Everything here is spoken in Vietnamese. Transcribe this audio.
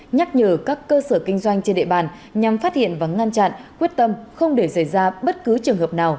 nhắc nhở các cơ sở kinh doanh trên địa bàn nhằm phát hiện và ngăn chặn quyết tâm không để xảy ra bất cứ trường hợp nào